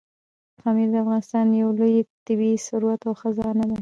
پامیر د افغانستان یو لوی طبعي ثروت او خزانه ده.